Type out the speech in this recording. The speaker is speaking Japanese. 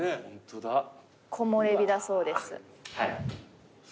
木漏れ日だそうです。